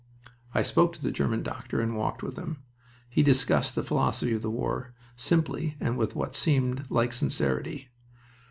I spoke to the German doctor and walked with him. He discussed the philosophy of the war simply and with what seemed like sincerity.